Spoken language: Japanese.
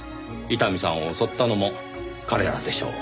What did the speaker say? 伊丹さんを襲ったのも彼らでしょう。